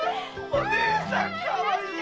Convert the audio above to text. おねえさんかわいいよ。